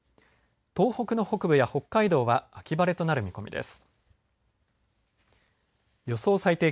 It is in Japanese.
東北の北部や北海道は秋晴れとなる見込みです。